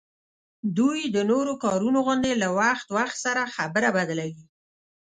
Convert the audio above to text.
دوی د نورو کارونو غوندي له وخت وخت سره خبره بدلوي